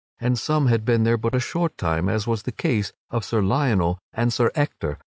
And some had been there but a short time, as was the case of Sir Lionel and Sir Ector.